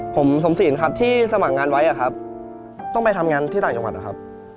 ผมสมศีลครับที่สมัครงานไว้อะครับต้องไปทำงานที่ต่างจังหวัดนะครับ